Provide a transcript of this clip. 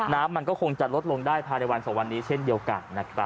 น้ำมันก็คงจะลดลงได้ภายในวันสองวันนี้เช่นเดียวกันนะครับ